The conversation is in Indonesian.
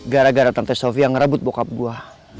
gara gara tante sofia ngerebut bokap gue